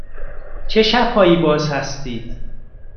چه شب هایی باز هستید؟